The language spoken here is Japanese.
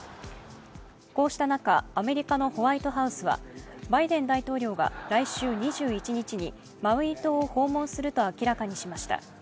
こうした中、アメリカのホワイトハウスはバイデン大統領が来週２１日にマウイ島を訪問すると明らかにしました。